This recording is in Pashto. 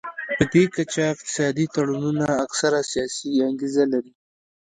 پدې کچه اقتصادي تړونونه اکثره سیاسي انګیزه لري